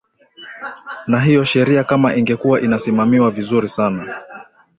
na hiyo sheria kama ingekuwa inasimamiwa vizuri sana